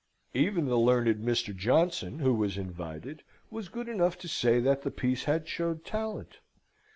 Even the learned Mr. Johnson, who was invited, was good enough to say that the piece had showed talent.